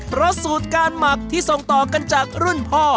เพราะสูตรการหมักที่ส่งต่อกันจากรุ่นพ่อ